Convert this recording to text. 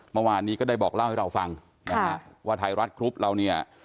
เมื่อวานนี้ก็ได้บอกเล่าให้เราฟังนะฮะว่าไทยรัฐกรุ๊ปเราเนี่ย